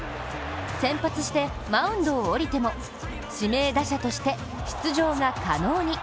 先発してマウンドを降りても指名打者として出場が可能に。